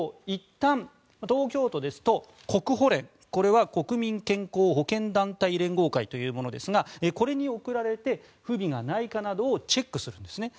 いったん東京都ですと国保連、これは国民健康保険団体連合会というものですがこれに送られて不備がないかなどをチェックするんです。